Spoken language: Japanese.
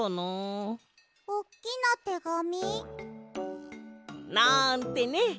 おっきなてがみ？なんてね！